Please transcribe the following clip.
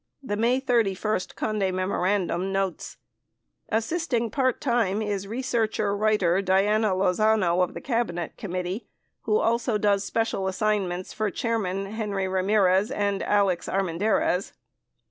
23 The May 31 Conde memo randum notes : Assisting part time is researcher writer Diana Lozano of the Cabinet Committee, who also does special assignments for Chairman Henry Ramirez and Alex Armendariz.